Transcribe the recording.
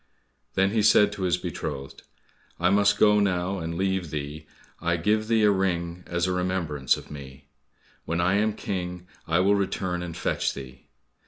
Then he said to his beloved, "I must now go and leave thee, I give thee a ring as a remembrance of me. When I am King, I will return and fetch thee."